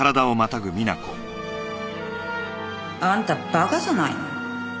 あんたバカじゃないの？